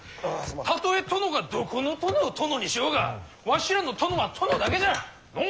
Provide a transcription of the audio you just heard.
たとえ殿がどこの殿を殿にしようがわしらの殿は殿だけじゃ！のう？